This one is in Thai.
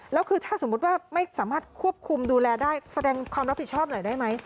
แล้วคือถ้าสมมุติว่าไม่สามารถควบคุมดูแลได้แสดงความรับผิดชอบหน่อยได้ไหม